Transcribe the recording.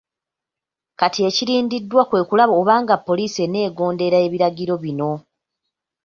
Kati ekirindiddwa kwe kulaba oba nga poliisi eneegondera ebiragiro bino.